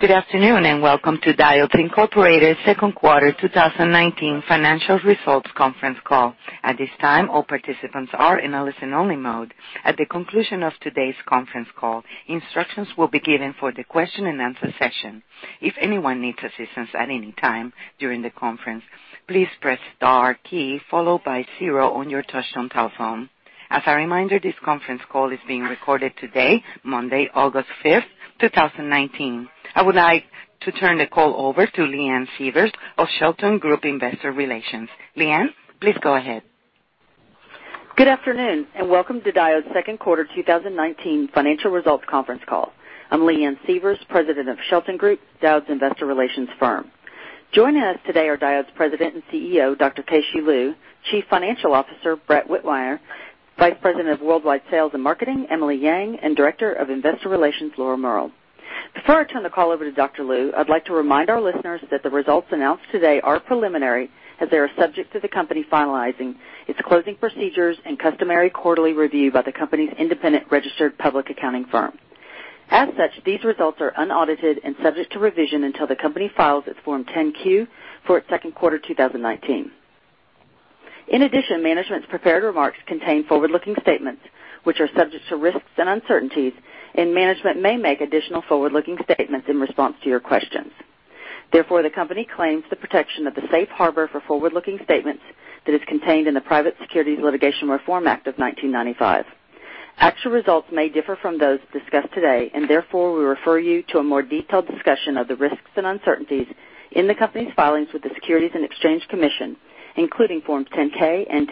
Good afternoon, and welcome to Diodes Incorporated second quarter 2019 financial results conference call. At this time, all participants are in a listen only mode. At the conclusion of today's conference call, instructions will be given for the question and answer session. If anyone needs assistance at any time during the conference, please press star key followed by zero on your touchtone telephone. As a reminder, this conference call is being recorded today, Monday, August 5th, 2019. I would like to turn the call over to Leanne Sievers of Shelton Group Investor Relations. Leanne, please go ahead. Good afternoon and welcome to Diodes second quarter 2019 financial results conference call. I'm Leanne Sievers, President of Shelton Group, Diodes investor relations firm. Joining us today are Diodes President and CEO, Dr. Keh-Shew Lu, Chief Financial Officer, Brett Whitmire, Vice President of Worldwide Sales and Marketing, Emily Yang, and Director of Investor Relations, Laura Tu. Before I turn the call over to Dr. Lu, I'd like to remind our listeners that the results announced today are preliminary as they are subject to the company finalizing its closing procedures and customary quarterly review by the company's independent registered public accounting firm. As such, these results are unaudited and subject to revision until the company files its Form 10-Q for its second quarter 2019. In addition, management's prepared remarks contain forward-looking statements which are subject to risks and uncertainties, and management may make additional forward-looking statements in response to your questions. The company claims the protection of the safe harbor for forward-looking statements that is contained in the Private Securities Litigation Reform Act of 1995. Actual results may differ from those discussed today. We refer you to a more detailed discussion of the risks and uncertainties in the company's filings with the Securities and Exchange Commission, including Forms 10-K and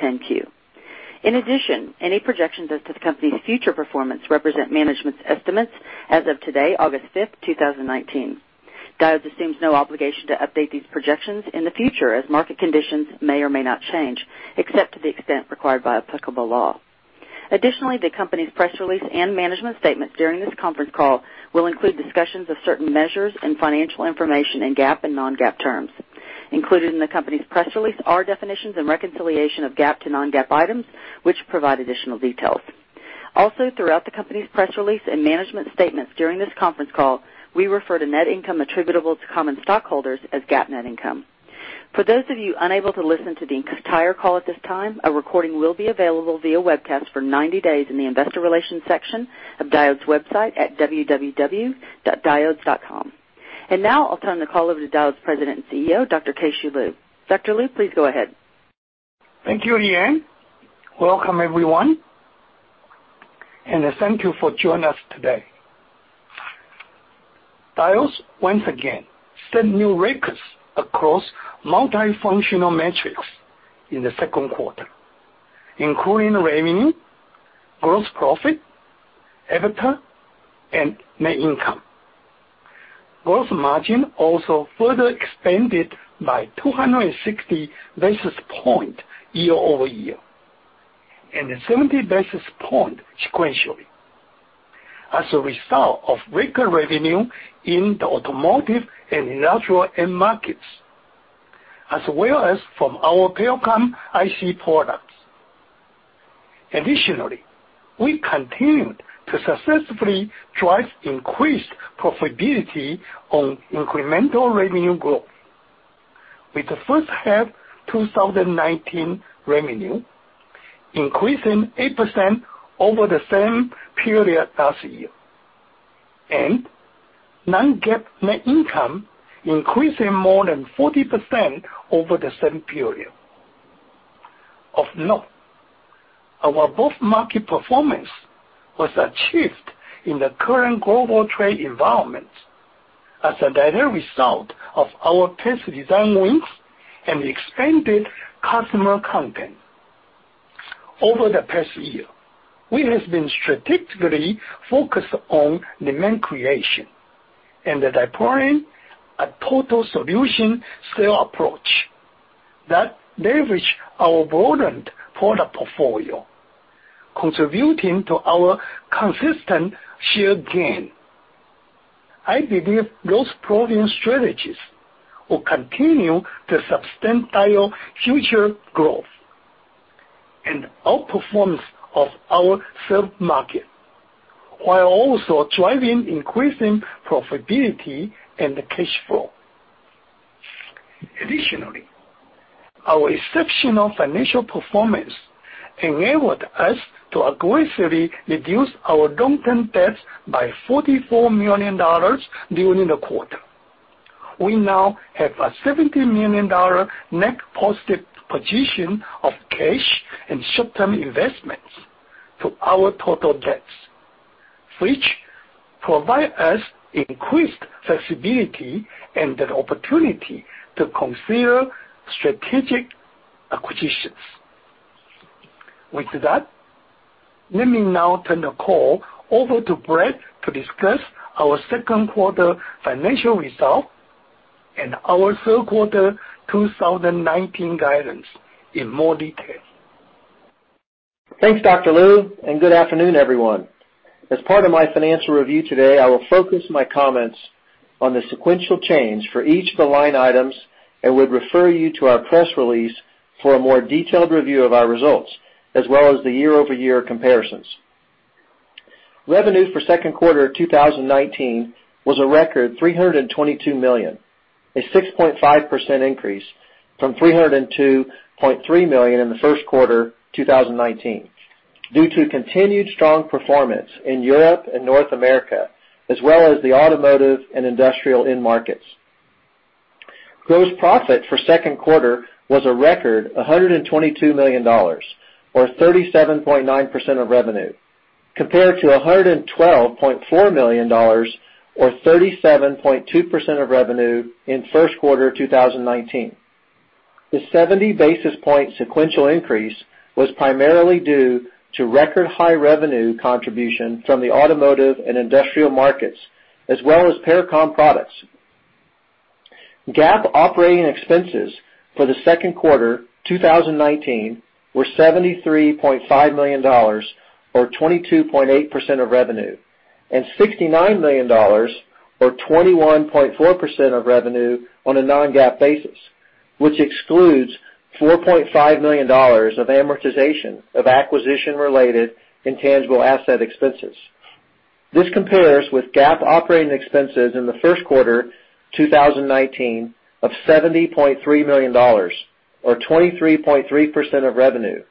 10-Q. Any projections as to the company's future performance represent management's estimates as of today, August 5th, 2019. Diodes assumes no obligation to update these projections in the future as market conditions may or may not change, except to the extent required by applicable law. The company's press release and management statements during this conference call will include discussions of certain measures and financial information in GAAP and non-GAAP terms. Included in the company's press release are definitions and reconciliation of GAAP to non-GAAP items, which provide additional details. Throughout the company's press release and management statements during this conference call, we refer to net income attributable to common stockholders as GAAP net income. For those of you unable to listen to the entire call at this time, a recording will be available via webcast for 90 days in the investor relations section of Diodes website at www.diodes.com. Now I'll turn the call over to Diodes President and Chief Executive Officer, Dr. Keh-Shew Lu. Dr. Lu, please go ahead. Thank you, Leanne. Welcome everyone. Thank you for joining us today. Diodes once again set new records across multifunctional metrics in the second quarter, including revenue, gross profit, EBITDA, and net income. Gross margin also further expanded by 260 basis points year-over-year, 70 basis points sequentially as a result of record revenue in the automotive and industrial end markets, as well as from our Pericom IC products. Additionally, we continued to successfully drive increased profitability on incremental revenue growth, with the first half 2019 revenue increasing 8% over the same period last year. Non-GAAP net income increasing more than 40% over the same period. Of note, our both market performance was achieved in the current global trade environment as a direct result of our test design wins and expanded customer content. Over the past year, we have been strategically focused on demand creation and deploying a total solution sale approach that leverage our broadened product portfolio, contributing to our consistent share gain. I believe those proven strategies will continue to substantial future growth and outperformance of our served market, while also driving increasing profitability and cash flow. Additionally, our exceptional financial performance enabled us to aggressively reduce our long-term debts by $44 million during the quarter. We now have a $70 million net positive position of cash and short-term investments to our total debts, which provide us increased flexibility and the opportunity to consider strategic acquisitions. With that, let me now turn the call over to Brett to discuss our second quarter financial results and our third quarter 2019 guidance in more detail. Thanks, Dr. Lu, and good afternoon, everyone. As part of my financial review today, I will focus my comments on the sequential change for each of the line items and would refer you to our press release for a more detailed review of our results as well as the year-over-year comparisons. Revenue for second quarter 2019 was a record $322 million, a 6.5% increase from $302.3 million in the first quarter 2019, due to continued strong performance in Europe and North America, as well as the automotive and industrial end markets. Gross profit for second quarter was a record $122 million, or 37.9% of revenue, compared to $112.4 million, or 37.2% of revenue in first quarter 2019. The 70 basis point sequential increase was primarily due to record high revenue contribution from the automotive and industrial markets, as well as Pericom products. GAAP operating expenses for the second quarter 2019 were $73.5 million, or 22.8% of revenue, and $69 million, or 21.4% of revenue on a non-GAAP basis, which excludes $4.5 million of amortization of acquisition-related intangible asset expenses. This compares with GAAP operating expenses in the first quarter 2019 of $70.3 million, or 23.3% of revenue,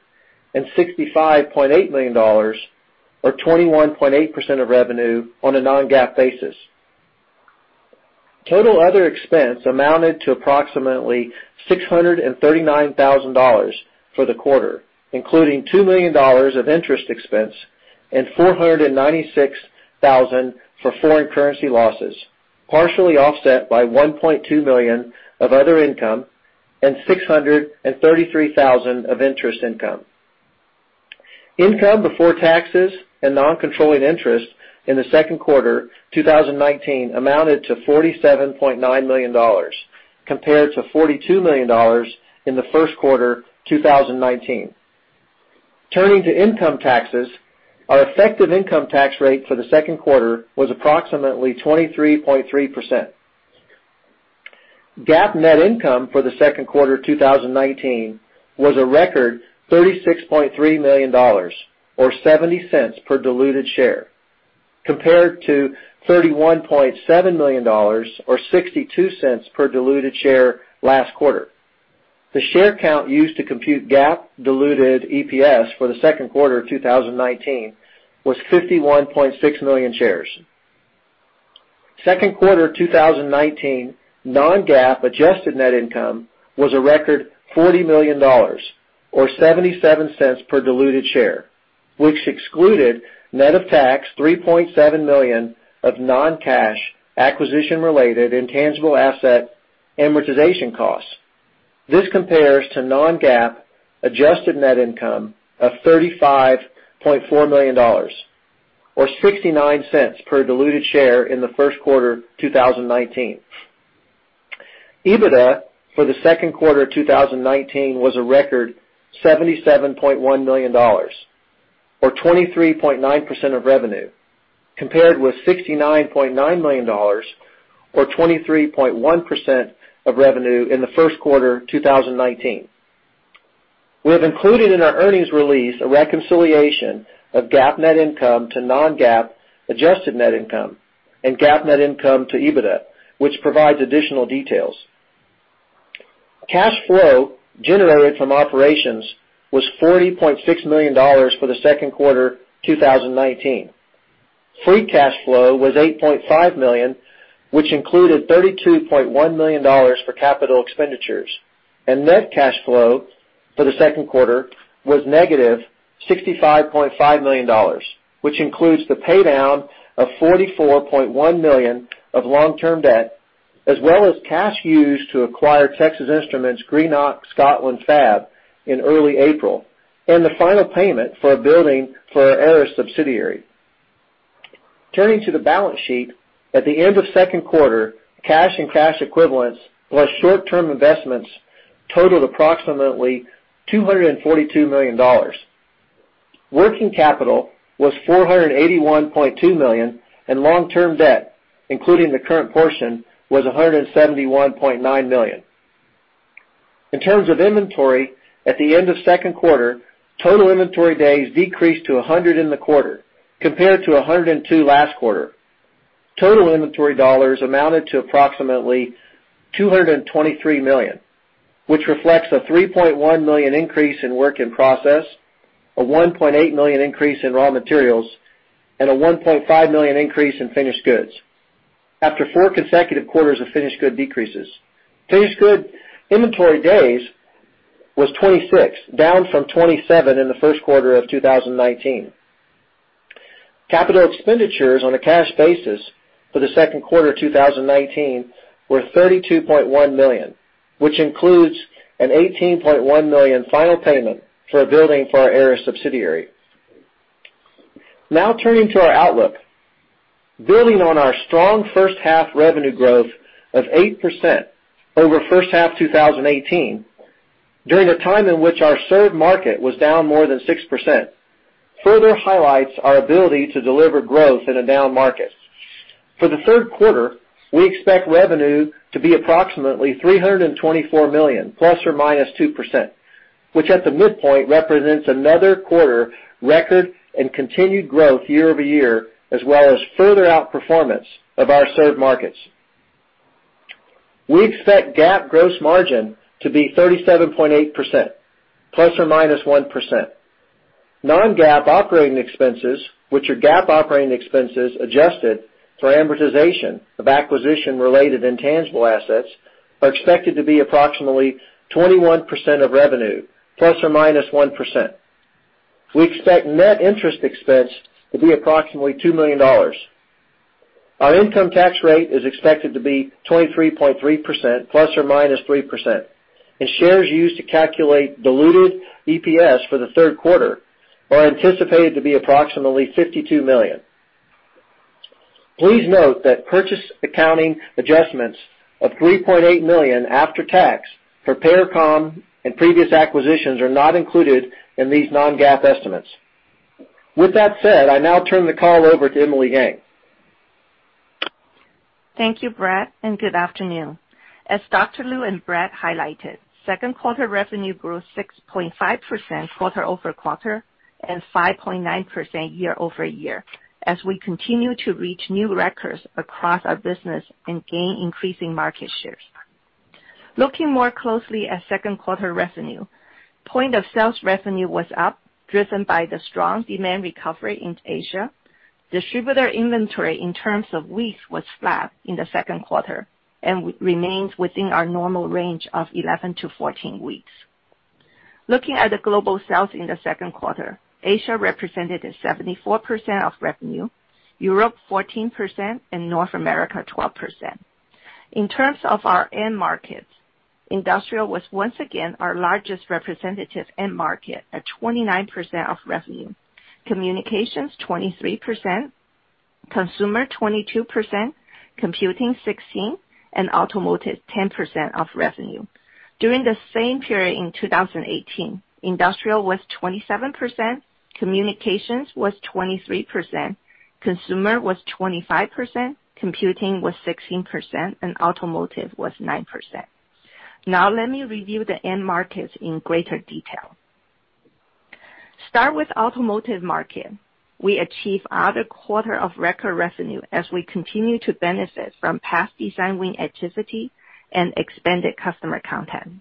and $65.8 million, or 21.8% of revenue on a non-GAAP basis. Total other expense amounted to approximately $639,000 for the quarter, including $2 million of interest expense and $496,000 for foreign currency losses, partially offset by $1.2 million of other income and $633,000 of interest income. Income before taxes and non-controlling interests in the second quarter 2019 amounted to $47.9 million, compared to $42 million in the first quarter 2019. Turning to income taxes, our effective income tax rate for the second quarter was approximately 23.3%. GAAP net income for the second quarter 2019 was a record $36.3 million, or $0.70 per diluted share, compared to $31.7 million or $0.62 per diluted share last quarter. The share count used to compute GAAP diluted EPS for the second quarter 2019 was 51.6 million shares. Second quarter 2019 non-GAAP adjusted net income was a record $40 million or $0.77 per diluted share, which excluded net of tax $3.7 million of non-cash acquisition-related intangible asset amortization costs. This compares to non-GAAP adjusted net income of $35.4 million or $0.69 per diluted share in the first quarter 2019. EBITDA for the second quarter 2019 was a record $77.1 million or 23.9% of revenue, compared with $69.9 million or 23.1% of revenue in the first quarter 2019. We have included in our earnings release a reconciliation of GAAP net income to non-GAAP adjusted net income and GAAP net income to EBITDA, which provides additional details. Cash flow generated from operations was $40.6 million for the second quarter 2019. Free cash flow was $8.5 million, which included $32.1 million for capital expenditures, and net cash flow for the second quarter was negative $65.5 million, which includes the paydown of $44.1 million of long-term debt, as well as cash used to acquire Texas Instruments' Greenock Scotland fab in early April, and the final payment for a building for our Eos subsidiary. Turning to the balance sheet. At the end of second quarter, cash and cash equivalents plus short-term investments totaled approximately $242 million. Working capital was $481.2 million, and long-term debt, including the current portion, was $171.9 million. In terms of inventory, at the end of second quarter, total inventory days decreased to 100 in the quarter compared to 102 last quarter. Total inventory dollars amounted to approximately $223 million, which reflects a $3.1 million increase in work in process, a $1.8 million increase in raw materials, and a $1.5 million increase in finished goods. After four consecutive quarters of finished good decreases, finished good inventory days was 26, down from 27 in the first quarter of 2019. Capital expenditures on a cash basis for the second quarter 2019 were $32.1 million, which includes an $18.1 million final payment for a building for our Eos subsidiary. Turning to our outlook. Building on our strong first half revenue growth of 8% over first half 2018, during a time in which our served market was down more than 6%, further highlights our ability to deliver growth in a down market. For the third quarter, we expect revenue to be approximately $324 million, plus or minus 2%, which at the midpoint represents another quarter record and continued growth year-over-year, as well as further outperformance of our served markets. We expect GAAP gross margin to be 37.8%, plus or minus 1%. Non-GAAP operating expenses, which are GAAP operating expenses adjusted for amortization of acquisition-related intangible assets, are expected to be approximately 21% of revenue, plus or minus 1%. We expect net interest expense to be approximately $2 million. Our income tax rate is expected to be 23.3% ±3%, and shares used to calculate diluted EPS for the third quarter are anticipated to be approximately $52 million. Please note that purchase accounting adjustments of $3.8 million after tax for Pericom and previous acquisitions are not included in these non-GAAP estimates. With that said, I now turn the call over to Emily Yang. Thank you, Brett, and good afternoon. As Dr. Lu and Brett highlighted, second quarter revenue grew 6.5% quarter-over-quarter and 5.9% year-over-year, as we continue to reach new records across our business and gain increasing market shares. Looking more closely at second quarter revenue, point of sales revenue was up, driven by the strong demand recovery in Asia. Distributor inventory in terms of weeks was flat in the second quarter and remains within our normal range of 11-14 weeks. Looking at the global sales in the second quarter, Asia represented 74% of revenue, Europe 14%, and North America 12%. In terms of our end markets, industrial was once again our largest representative end market at 29% of revenue, communications 23%, consumer 22%, computing 16%, and automotive 10% of revenue. During the same period in 2018, industrial was 27%, communications was 23%, consumer was 25%, computing was 16%, and automotive was 9%. Let me review the end markets in greater detail. Start with automotive market. We achieve another quarter of record revenue as we continue to benefit from past design win activity and expanded customer content.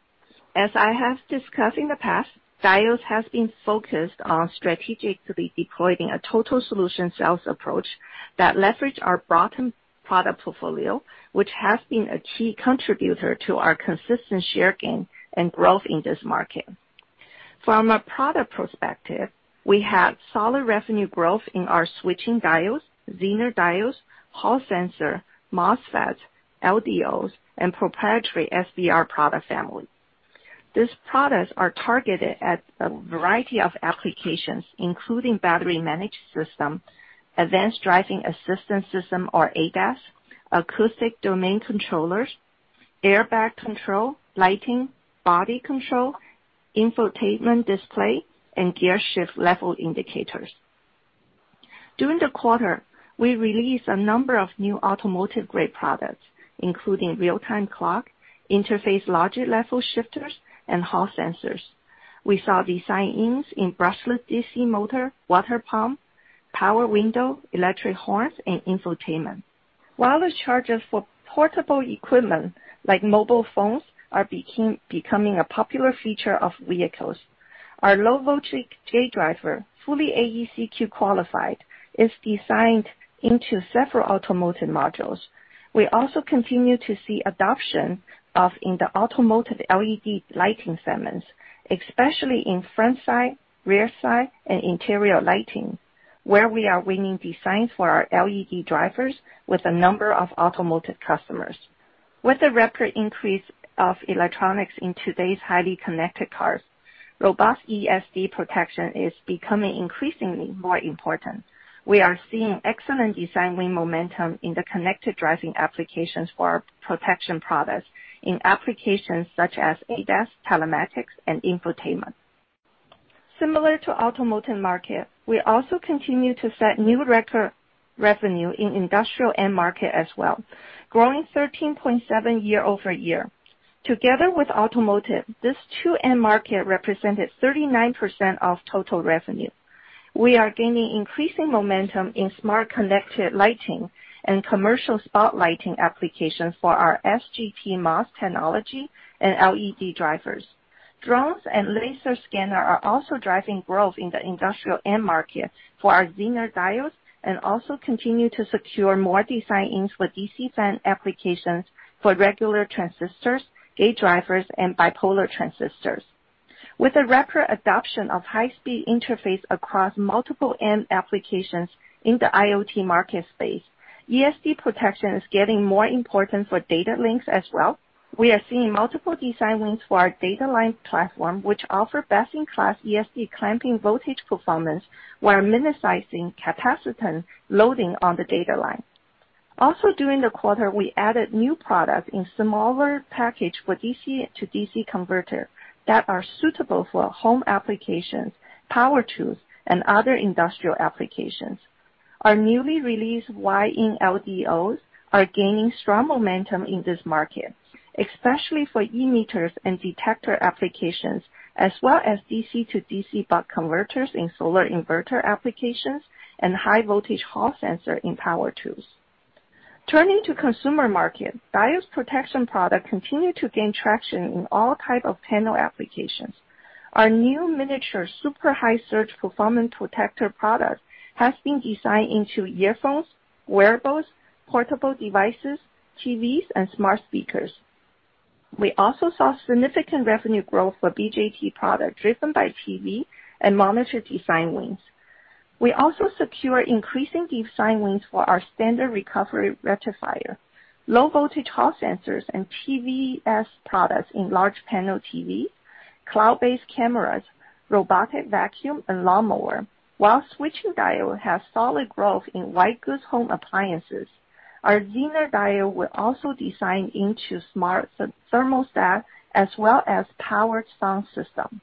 As I have discussed in the past, Diodes has been focused on strategically deploying a total solution sales approach that leverage our broadened product portfolio, which has been a key contributor to our consistent share gain and growth in this market. From a product perspective, we have solid revenue growth in our switching diodes, Zener diodes, Hall sensor, MOSFETs, LDOs, and proprietary SBR product family. These products are targeted at a variety of applications, including battery managed system, advanced driving assistance system, or ADAS, cross-domain controllers, airbag control, lighting, body control, infotainment display, and gear shift level indicators. During the quarter, we released a number of new automotive-grade products, including real-time clock, interface logic level shifters, and Hall sensors. We saw design-ins in brushless DC motor, water pump, power window, electric horns, and infotainment. Wireless chargers for portable equipment like mobile phones are becoming a popular feature of vehicles. Our low voltage gate driver, fully AEC-Q qualified, is designed into several automotive modules. We also continue to see adoption in the automotive LED lighting segments, especially in front side, rear side, and interior lighting, where we are winning designs for our LED drivers with a number of automotive customers. With the rapid increase of electronics in today's highly connected cars, robust ESD protection is becoming increasingly more important. We are seeing excellent design win momentum in the connected driving applications for our protection products in applications such as ADAS, telematics, and infotainment. Similar to automotive market, we also continue to set new record revenue in industrial end market as well, growing 13.7% year-over-year. Together with automotive, these two end market represented 39% of total revenue. We are gaining increasing momentum in smart connected lighting and commercial spotlighting applications for our SBR MOS technology and LED drivers. Drones and laser scanner are also driving growth in the industrial end market for our Zener diodes, and also continue to secure more design-ins for DC fan applications for regular transistors, gate drivers, and bipolar transistors. With the rapid adoption of high-speed interface across multiple end applications in the IoT market space, ESD protection is getting more important for data links as well. We are seeing multiple design wins for our data line platform, which offer best-in-class ESD clamping voltage performance while minimizing capacitance loading on the data line. Also, during the quarter, we added new products in smaller package for DC-to-DC converter that are suitable for home applications, power tools, and other industrial applications. Our newly released wide VIN LDOs are gaining strong momentum in this market, especially for e-meters and detector applications, as well as DC-to-DC buck converters in solar inverter applications and high voltage Hall sensor in power tools. Turning to consumer market, Diodes protection product continue to gain traction in all type of panel applications. Our new miniature super high surge performance protector product has been designed into earphones, wearables, portable devices, TVs, and smart speakers. We also saw significant revenue growth for BJT product driven by TV and monitor design wins. We also secure increasing design wins for our standard recovery rectifier, low voltage Hall sensors and TVS products in large panel TV, cloud-based cameras, robotic vacuum, and lawnmower. While switching diode has solid growth in white goods home appliances, our Zener diode were also designed into smart thermostat as well as powered sound system.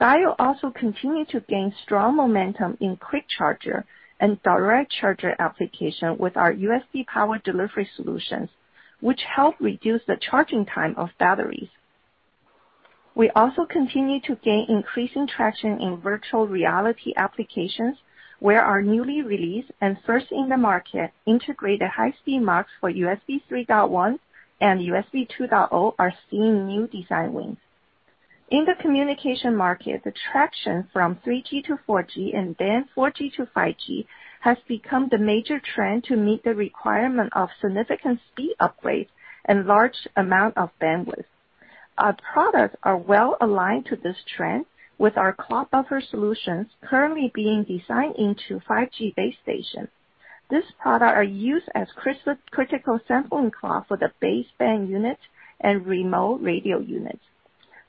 Diodes also continue to gain strong momentum in quick charger and direct charger application with our USB Power Delivery solutions, which help reduce the charging time of batteries. We also continue to gain increasing traction in virtual reality applications, where our newly released and first in the market integrated high-speed mux for USB 3.1 and USB 2.0 are seeing new design wins. In the communication market, the traction from 3G to 4G and then 4G to 5G has become the major trend to meet the requirement of significant speed upgrades and large amount of bandwidth. Our products are well aligned to this trend with our clock buffer solutions currently being designed into 5G base station. This product are used as critical sampling clock for the baseband unit and remote radio units.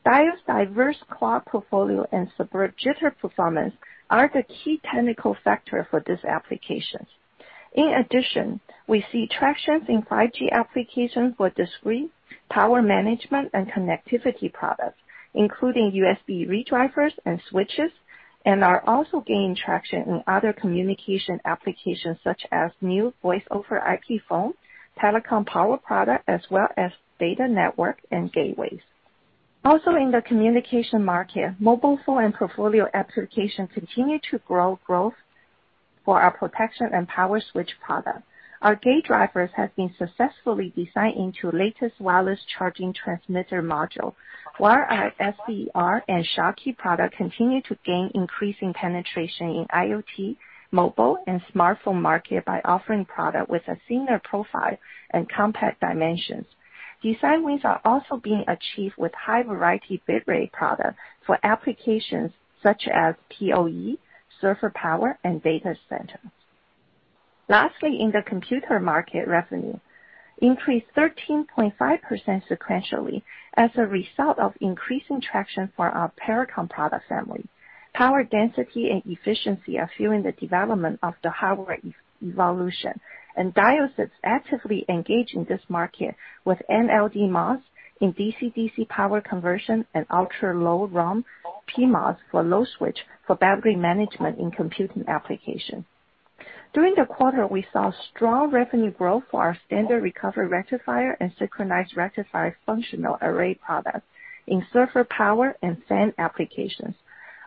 Diodes' diverse clock portfolio and superb jitter performance are the key technical factor for this applications. In addition, we see tractions in 5G applications for discrete, power management, and connectivity products, including USB redrivers and switches, and are also gaining traction in other communication applications such as new Voice over IP phone, telecom power product, as well as data network and gateways. Also in the communication market, mobile phone and portfolio applications continue to grow growth for our protection and power switch product. Our gate drivers have been successfully designed into latest wireless charging transmitter module, while our SBR and Schottky product continue to gain increasing penetration in IoT, mobile, and smartphone market by offering product with a thinner profile and compact dimensions. Design wins are also being achieved with high variety bit rate product for applications such as POE, server power, and data centers. Lastly, in the computer market, revenue increased 13.5% sequentially as a result of increasing traction for our Pericom product family. Power density and efficiency are fueling the development of the hardware evolution, and Diodes is actively engaged in this market with MLD MOSFETs in DC-to-DC power conversion and ultra-low RRM PMOS for low switch for battery management in computing application. During the quarter, we saw strong revenue growth for our standard recovery rectifier and synchronous rectifier functional array products in server power and SAN applications.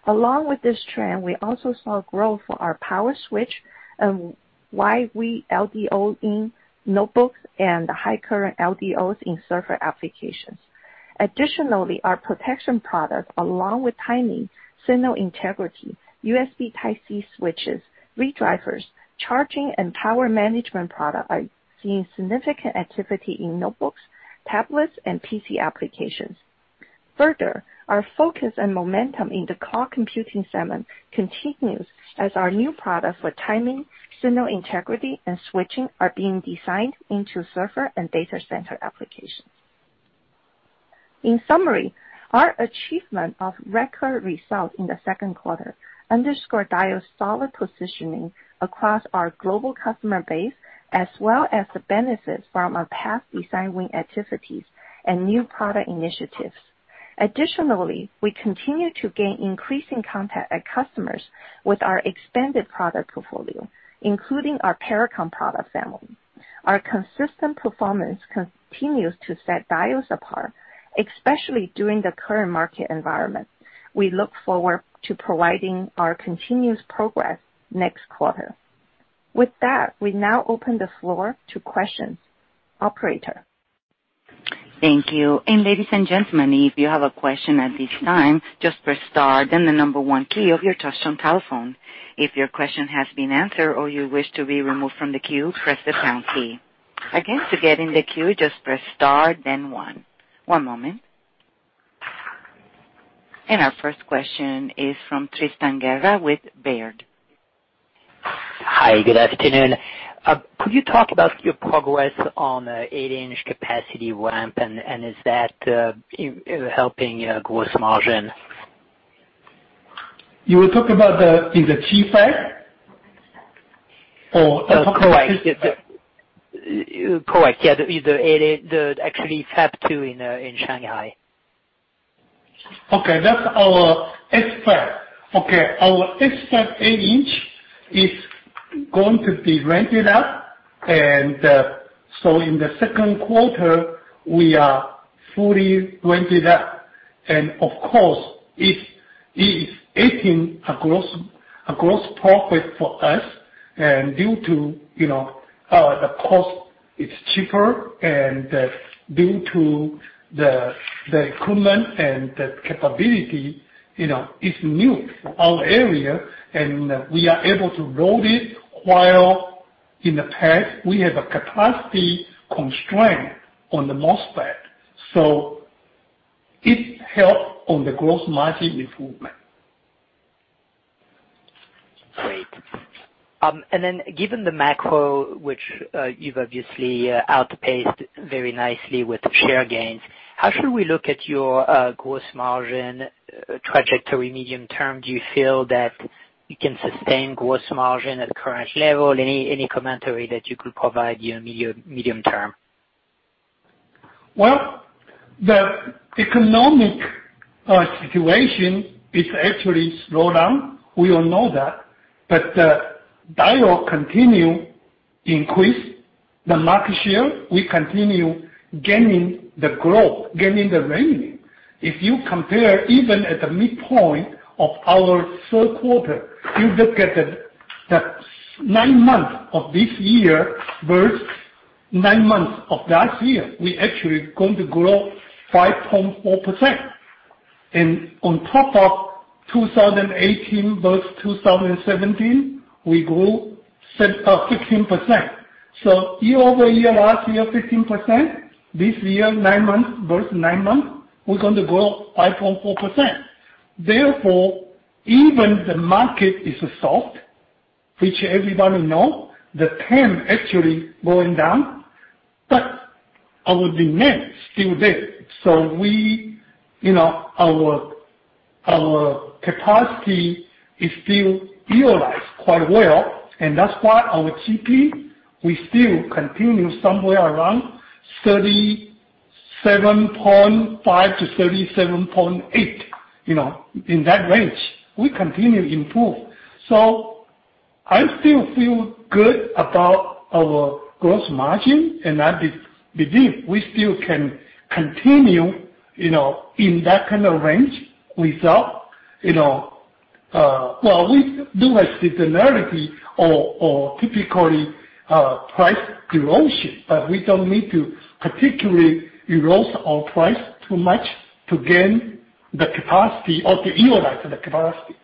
Along with this trend, we also saw growth for our power switch and wide VIN LDO in notebooks and the high current LDOs in server applications. Additionally, our protection product, along with timing, signal integrity, USB Type-C switches, redrivers, charging and power management product are seeing significant activity in notebooks, tablets, and PC applications. Further, our focus and momentum in the cloud computing segment continues as our new product for timing, signal integrity, and switching are being designed into server and data center applications. In summary, our achievement of record results in the second quarter underscore Diodes' solid positioning across our global customer base, as well as the benefits from our past design win activities and new product initiatives. Additionally, we continue to gain increasing contact at customers with our expanded product portfolio, including our Pericom product family. Our consistent performance continues to set Diodes apart, especially during the current market environment. We look forward to providing our continuous progress next quarter. With that, we now open the floor to questions. Operator? Thank you. Ladies and gentlemen, if you have a question at this time, just press star then the number one key of your touch-tone telephone. If your question has been answered or you wish to be removed from the queue, press the pound key. Again, to get in the queue, just press star then one. One moment. Our first question is from Tristan Gerra with Baird. Hi, good afternoon. Could you talk about your progress on eight-inch capacity ramp and is that helping gross margin? You were talking about the, in the KFAB site? Correct. Correct. Yeah, the actually fab two in Shanghai That's our S5. Our S5 8-inch is going to be rented out. In the second quarter, we are fully rented out. It is adding a gross profit for us and due to the cost, it's cheaper and due to the equipment and the capability, it's new, our area, and we are able to load it while in the past, we have a capacity constraint on the MOSFET. It help on the gross margin improvement. Great. Given the macro, which you've obviously outpaced very nicely with share gains, how should we look at your gross margin trajectory medium term? Do you feel that you can sustain gross margin at current level? Any commentary that you could provide, medium term? Well, the economic situation is actually slowed down. We all know that. The Diodes continue increase the market share. We continue gaining the growth, gaining the revenue. If you compare even at the midpoint of our third quarter, you look at the nine months of this year versus nine months of last year, we actually going to grow 5.4%. On top of 2018 versus 2017, we grew 15%. Year-over-year, last year, 15%, this year, nine months versus nine months, we're going to grow 5.4%. Even the market is soft, which everybody know, the TAM actually going down, but our demand is still there. Our capacity is still utilized quite well, and that's why our GP, we still continue somewhere around 37.5%-37.8%, in that range. We continue improve. I still feel good about our gross margin. I believe we still can continue in that kind of range. We do a seasonality or typically price erosion, but we don't need to particularly erode our price too much to gain the capacity or to utilize the capacity.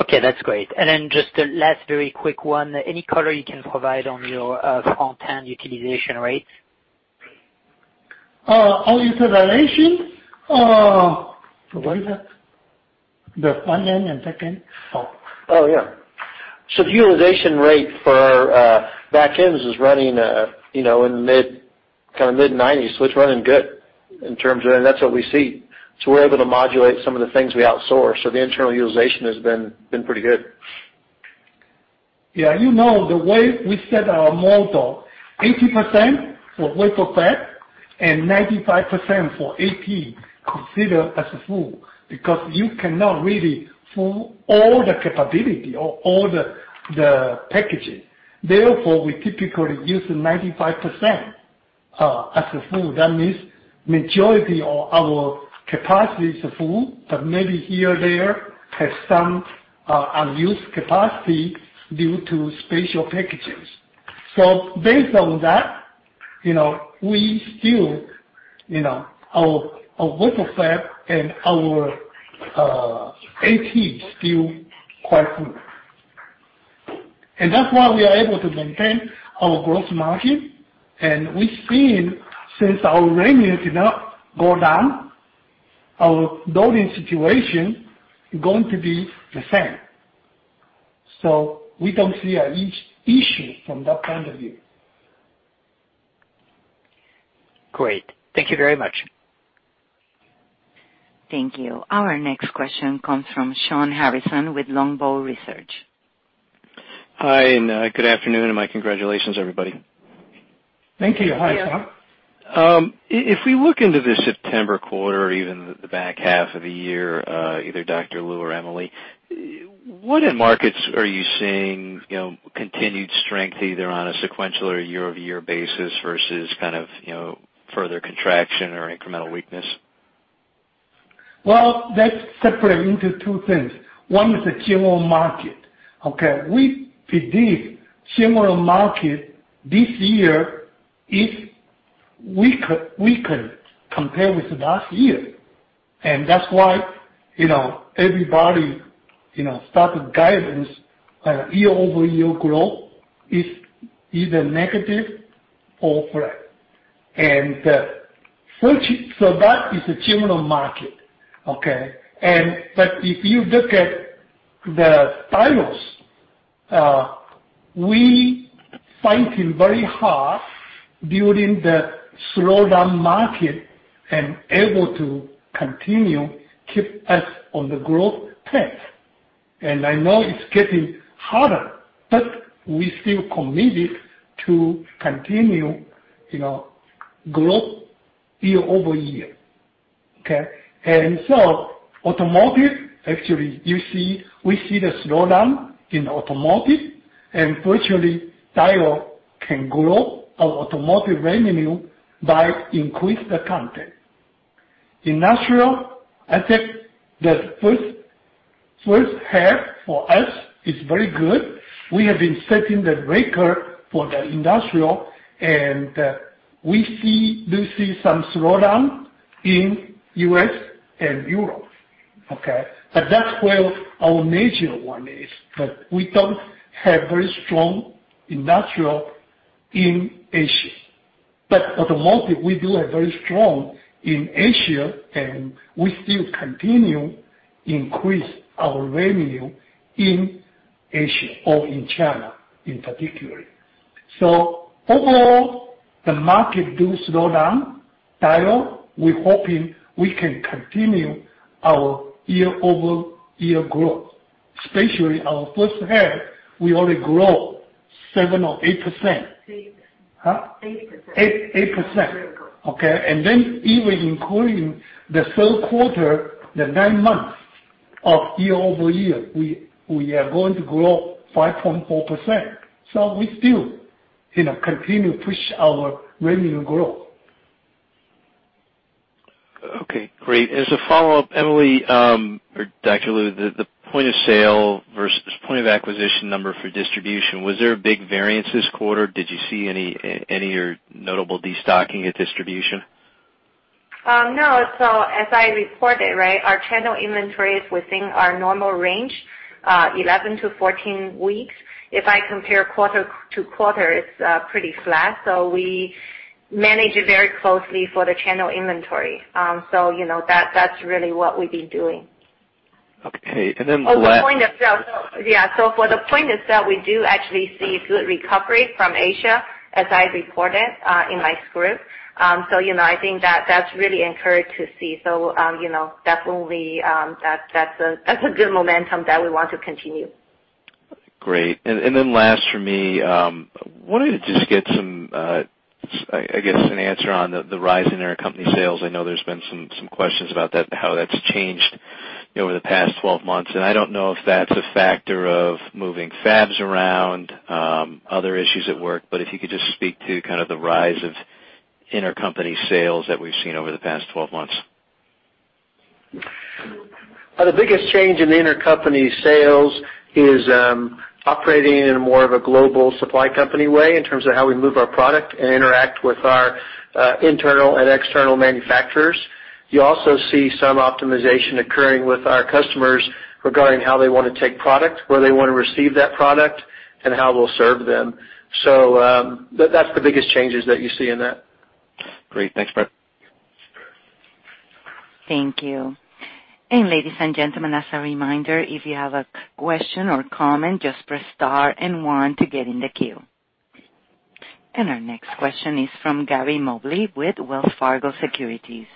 Okay, that's great. Just a last very quick one. Any color you can provide on your front-end utilization rates? Our utilization? What is that? The front-end and back-end? Oh, yeah. The utilization rate for our back ends is running in mid-90s%. It's running good. That's what we see. We're able to modulate some of the things we outsource. The internal utilization has been pretty good. Yeah, you know the way we set our model, 80% for wafer fab and 95% for AP considered as full because you cannot really fill all the capability or all the packaging. We typically use 95% as a full. That means majority of our capacity is full, but maybe here or there has some unused capacity due to special packages. Based on that, our wafer fab and our AP is still quite full. That's why we are able to maintain our gross margin, and we've seen since our revenues did not go down, our loading situation going to be the same. We don't see an issue from that point of view. Great. Thank you very much. Thank you. Our next question comes from Shawn Harrison with Longbow Research. Hi, and good afternoon, and my congratulations everybody. Thank you. Hi, Shawn. If we look into the September quarter or even the back half of the year, either Dr. Lu or Emily, what end markets are you seeing continued strength, either on a sequential or a year-over-year basis versus further contraction or incremental weakness? Well, that's separate into two things. One is the general market. Okay. We believe general market this year is weaker compared with last year. That's why everybody start guidance on a year-over-year growth is either negative or flat. That is the general market. Okay. If you look at the Diodes, we fighting very hard during the slowdown market and able to continue keep us on the growth path. I know it's getting harder, but we still committed to continue growth year-over-year. Okay? Automotive, actually, we see the slowdown in automotive, and virtually Diodes can grow our automotive revenue by increase the content. Industrial, I think the first half for us is very good. We have been setting the record for the industrial, and we do see some slowdown in U.S. and Europe. Okay? That's where our major one is, but we don't have very strong industrial in Asia. Automotive, we do have very strong in Asia, and we still continue increase our revenue in Asia or in China in particular. Overall, the market do slow down Diodes. We're hoping we can continue our year-over-year growth, especially our first half. We already grow 7% or 8%. Eight. Huh? 8%. 8%. Okay. Even including the third quarter, the nine months of year-over-year, we are going to grow 5.4%. We still continue push our revenue growth. Okay, great. As a follow-up, Emily, or Dr. Lu, the point of sale versus point of acquisition number for distribution, was there a big variance this quarter? Did you see any notable destocking at distribution? No. As I reported, right, our channel inventory is within our normal range, 11 to 14 weeks. If I compare quarter-to-quarter, it's pretty flat. We manage it very closely for the channel inventory. That's really what we've been doing. Okay. The point of sale. Yeah. For the point of sale, we do actually see good recovery from Asia, as I reported in my script. I think that's really encouraged to see. Definitely, that's a good momentum that we want to continue. Great. Then last for me, wanted to just get some, I guess, an answer on the rise in our company sales. I know there's been some questions about that, how that's changed over the past 12 months. I don't know if that's a factor of moving fabs around, other issues at work, but if you could just speak to kind of the rise of intercompany sales that we've seen over the past 12 months. The biggest change in the intercompany sales is operating in more of a global supply company way in terms of how we move our product and interact with our internal and external manufacturers. You also see some optimization occurring with our customers regarding how they want to take product, where they want to receive that product, and how we'll serve them. That's the biggest changes that you see in that. Great. Thanks, Brett. Thank you. Ladies and gentlemen, as a reminder, if you have a question or comment, just press star and one to get in the queue. Our next question is from Gary Mobley with Wells Fargo Securities.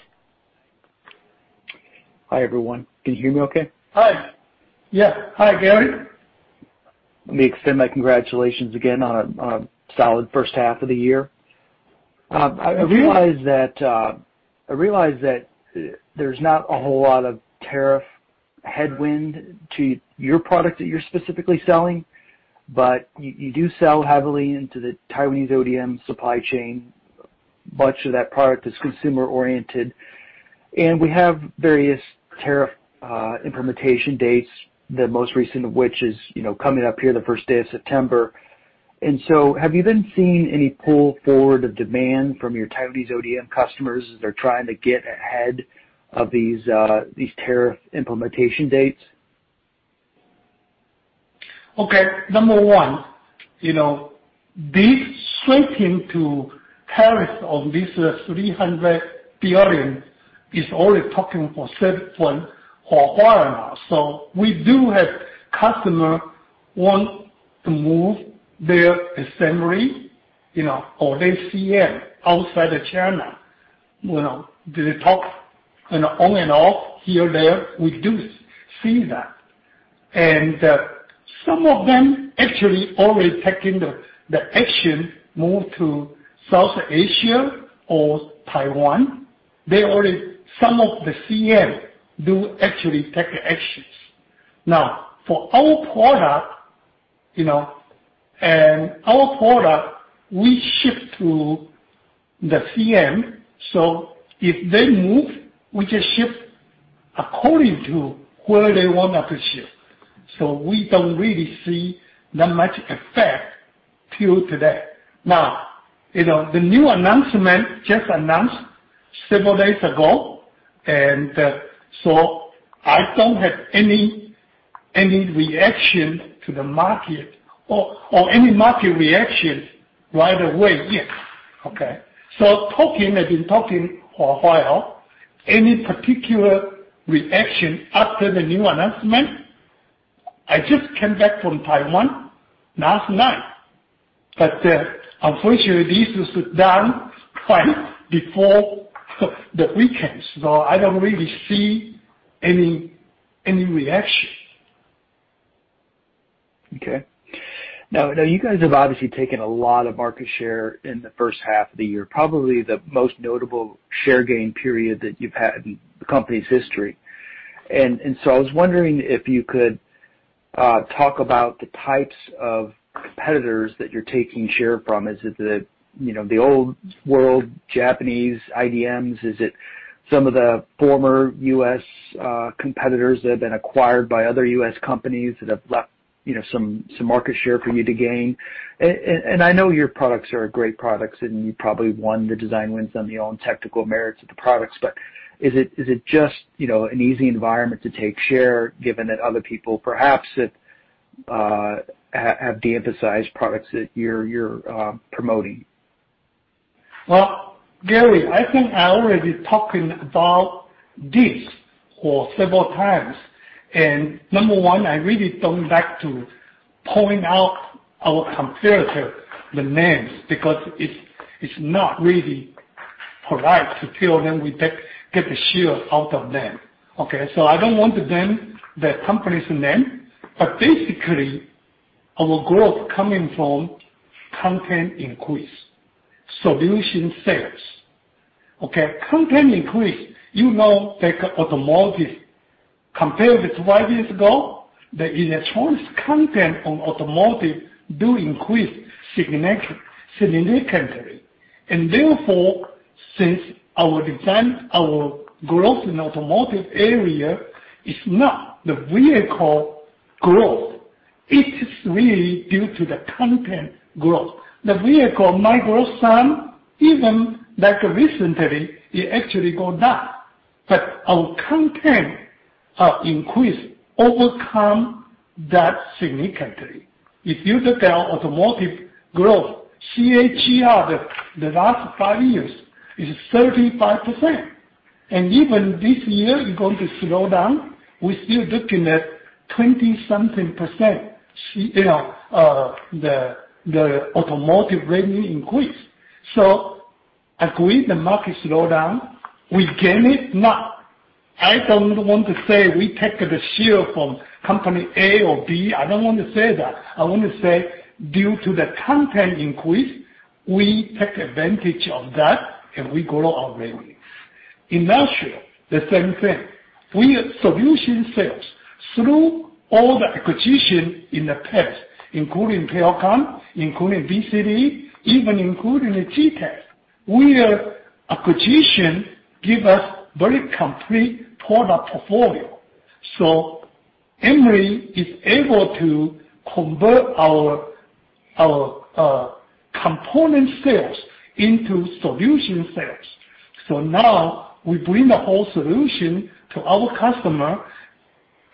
Hi, everyone. Can you hear me okay? Hi. Yeah. Hi, Gary. Let me extend my congratulations again on a solid first half of the year. Thank you. I realize that there's not a whole lot of tariff headwind to your product that you're specifically selling, but you do sell heavily into the Taiwanese ODM supply chain. Much of that product is consumer-oriented, and we have various tariff implementation dates, the most recent of which is coming up here the first day of September. Have you been seeing any pull forward of demand from your Taiwanese ODM customers as they're trying to get ahead of these tariff implementation dates? Okay. Number 1, this threatening to tariffs of this $300 billion is only talking for certain for a while now. We do have customer want to move their assembly, or their CM outside of China. They talk on and off here and there. We do see that. Some of them actually already taking the action, move to Southeast Asia or Taiwan. Some of the CM do actually take actions. For our product, we ship to the CM, so if they move, we just ship according to where they want us to ship. We don't really see that much effect till today. The new announcement just announced several days ago, I don't have any reaction to the market or any market reaction right away yet. Okay. I've been talking for a while. Any particular reaction after the new announcement? I just came back from Taiwan last night. Unfortunately, this was done quite before the weekend, so I don't really see any reaction. Okay. You guys have obviously taken a lot of market share in the first half of the year, probably the most notable share gain period that you've had in the company's history. I was wondering if you could talk about the types of competitors that you're taking share from. Is it the old world Japanese IDMs? Is it some of the former U.S. competitors that have been acquired by other U.S. companies that have left some market share for you to gain? I know your products are great products, and you probably won the design wins on your own technical merits of the products. Is it just an easy environment to take share, given that other people perhaps have de-emphasized products that you're promoting? Well, Gary, I think I already talking about this for several times. Number 1, I really don't like to point out our competitor, the names, because it's not really polite to tell them we get the shares out of them, okay. I don't want to name the company's name, but basically, our growth coming from content increase, solution sales. Okay. Content increase, you know that automotive, compared with 5 years ago, the electronics content on automotive do increase significantly. Therefore, since our design, our growth in automotive area is not the vehicle growth, it is really due to the content growth. The vehicle might grow some, even like recently, it actually go down. Our content increase overcome that significantly. If you look at our automotive growth, CAGR, the last 5 years is 35%. Even this year is going to slow down, we're still looking at 20-something%, the automotive revenue increase. Agreed, the market slowdown, we gain it. Now, I don't want to say we take the share from company A or B. I don't want to say that. I want to say due to the content increase, we take advantage of that, and we grow our revenues. Industrial, the same thing. We are solution sales through all the acquisitions in the past, including Pericom, including VCD, even including the GTAT. Our acquisitions give us very complete product portfolio. Emily is able to convert our component sales into solution sales. Now we bring the whole solution to our customer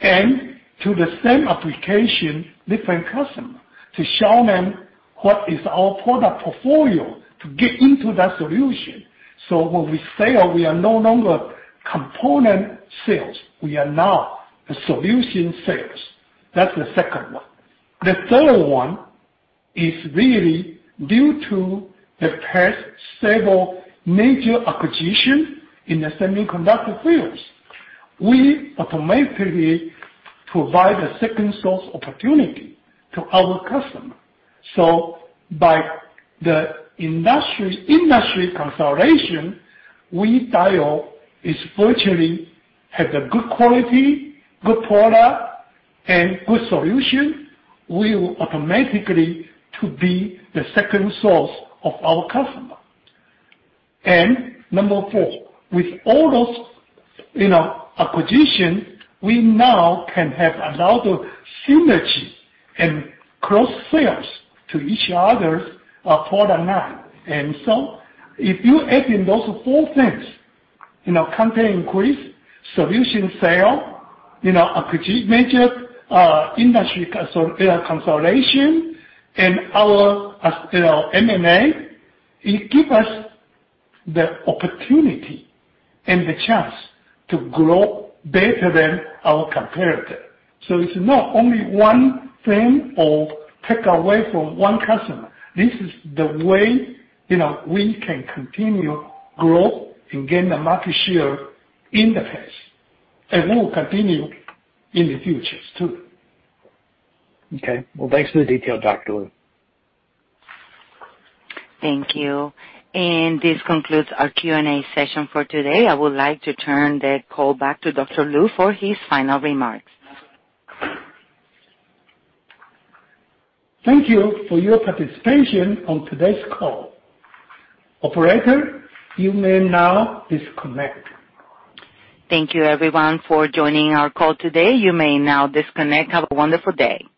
and to the same application, different customer, to show them what is our product portfolio to get into that solution. When we sell, we are no longer component sales. We are now a solution sales. That's the second one. The third one is really due to the past several major acquisition in the semiconductor fields. We automatically provide a second source opportunity to our customer. By the industry consolidation, we, Diodes, is virtually have the good quality, good product, and good solution. We will automatically to be the second source of our customer. Number four, with all those acquisition, we now can have a lot of synergy and cross-sales to each other's product line. If you add in those four things, content increase, solution sale, acquisition, major industry consolidation, and our M&A, it give us the opportunity and the chance to grow better than our competitor. It's not only one thing or take away from one customer. This is the way we can continue growth and gain the market share in the past. We will continue in the futures too. Okay. Well, thanks for the detail, Dr. Lu. Thank you. This concludes our Q&A session for today. I would like to turn the call back to Dr. Lu for his final remarks. Thank you for your participation on today's call. Operator, you may now disconnect. Thank you everyone for joining our call today. You may now disconnect. Have a wonderful day.